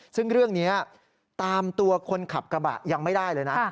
ซึ่งเรื่องนี้ตามตัวคนขับกระบะยังไม่ได้เลยนะ